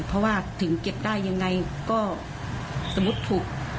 เพราะว่าถึงเก็บได้ยังไงก็สมมุติถูก